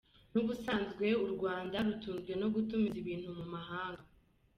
N’ubusanzwe u Rwanda rutunzwe no gutumiza ibintu mu mahanga.